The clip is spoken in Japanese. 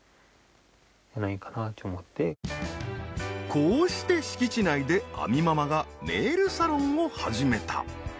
こうして敷地内で亜美ママがネイルサロンを始めた。